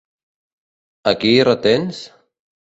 A qui retens?